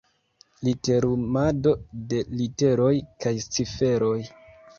Literumado de literoj kaj ciferoj.